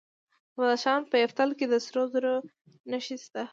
د بدخشان په یفتل کې د سرو زرو نښې شته.